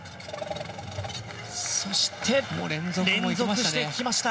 そして連続していきました。